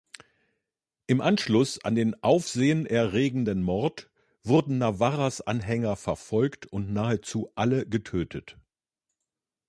Im Anschluss an den aufsehenerregenden Mord wurden Navarras Anhänger verfolgt und nahezu alle getötet.